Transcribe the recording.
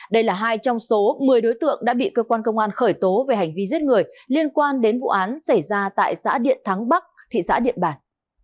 đây là hai trong số một mươi đối tượng đã bị cơ quan công an khởi tố về hành vi giết người liên quan đến vụ án xảy ra tại xã điện thắng bắc thị xã điện bàn